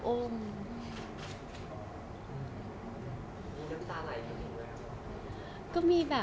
มีน้ำสาหร่ายของนี่ด้วยหรอ